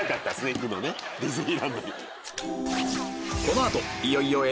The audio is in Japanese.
行くのねディズニーランドに。